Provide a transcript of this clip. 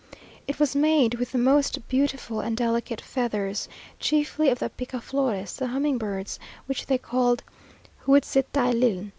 It was made with the most beautiful and delicate feathers, chiefly of the picaflores, the humming birds, which they called huitzitailin.